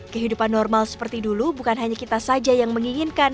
kehidupan normal seperti dulu bukan hanya kita saja yang menginginkan